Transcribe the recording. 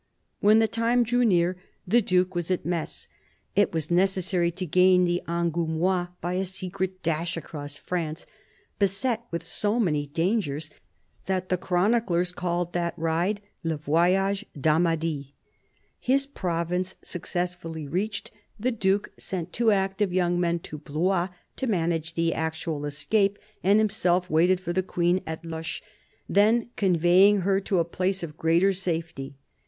When the time drew near, the Duke was at Metz. It was necessary to gain the Angoumois by a secret dash across France, beset with so many dangers that the chroniclers called that ride " le voyage d'Amadis." His province successfully reached, the Duke sent two active 112 CARDINAL DE RICHELIEU young men to Blois to manage the actual escape, and himself waited for the Queen at Loches, then conveying her to a place of greater safety.